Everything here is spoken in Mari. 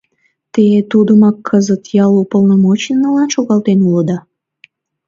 — Те тудымак кызыт ял уполномоченныйлан шогалтен улыда?